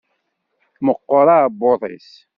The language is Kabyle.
Meqqer aɛebbuḍ-is.